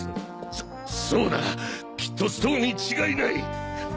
そっそうだきっとそうに違いない。